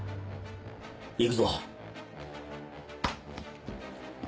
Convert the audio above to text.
行くぞ。